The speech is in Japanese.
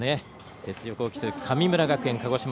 雪辱を期する神村学園、鹿児島。